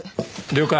了解。